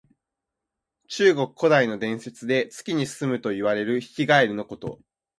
中国古代の伝説で、月にすむといわれるヒキガエルのこと。